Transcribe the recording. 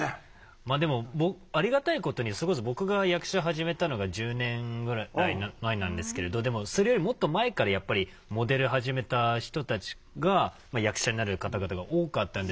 まあでもありがたいことにそれこそ僕が役者始めたのが１０年ぐらい前なんですけれどでもそれよりもっと前からやっぱりモデル始めた人たちが役者になる方々が多かったんで。